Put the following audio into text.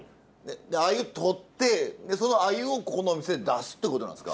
アユとってそのアユをここのお店で出すってことなんですか？